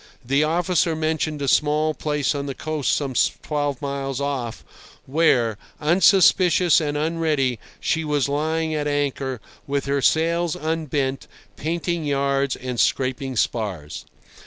The officer mentioned a small place on the coast some twelve miles off, where, unsuspicious and unready, she was lying at anchor, with her sails unbent, painting yards and scraping spars.